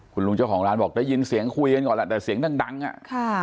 คุณลุงเจ้าของร้านบอกได้ยินเสียงคุยกันก่อนแหละแต่เสียงดังดังอ่ะค่ะ